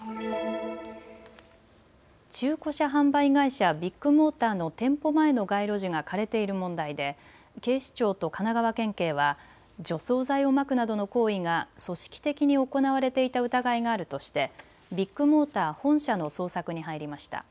中古車販売会社ビッグモーターの店舗前の街路樹が枯れている問題で警視庁と神奈川県警は除草剤をまくなどの行為が組織的に行われていた疑いがあるとしてビッグモーター本社の捜索に入りました。